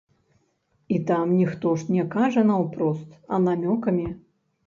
І там ніхто ж не кажа наўпрост, а намёкамі.